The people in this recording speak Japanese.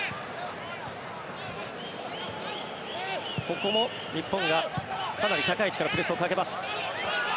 ここも日本がかなり高い位置からプレスをかけます。